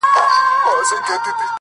که ستا د قبر جنډې هر وخت ښکلول گلونه-